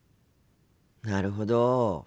なるほど。